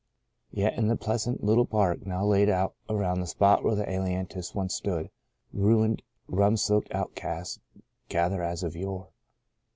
Yet in the pleas ant, little park now laid out around the spot where the ailantus once stood, ruined, rum soaked outcasts gather as of yore.